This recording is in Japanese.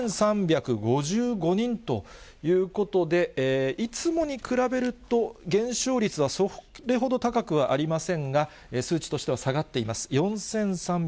４３５５人ということで、いつもに比べると、減少率はそれほど高くはありませんが、数値としては下がっています。